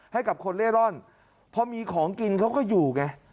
ให้กับคนเล่ร่อนพอมีของกินเขาก็อยู่ไง